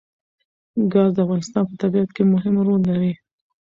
ګاز د افغانستان په طبیعت کې مهم رول لري.